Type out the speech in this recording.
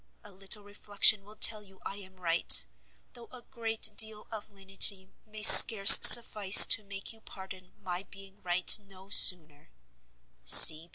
A little reflection will tell you I am right, though a great deal of lenity may scarce suffice to make you pardon my being right no sooner.